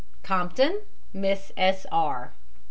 COMPTON, MISS S. R.